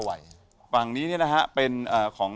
ขวางนี้เนี่ยนะฮะเป็นของ